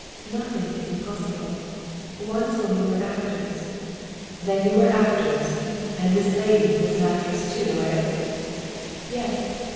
"'Nothing is impossible. Once, when we were actors ...' "'Then you were actors? And this lady was an actress too, eh?' "'Yes.